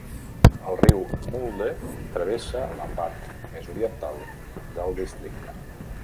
El riu Mulde travessa la part més oriental del districte.